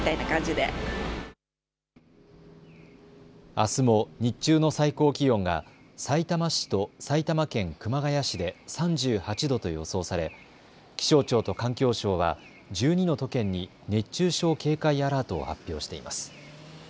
あすも日中の最高気温がさいたま市と埼玉県熊谷市で３８度と予想され気象庁と環境省は１２の都県に熱中症警戒アラートを発表しています。